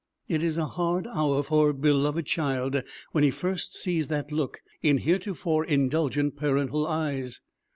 It is a hard hour for a beloved child when he first sees that look in heretofore indulgent parental eyes.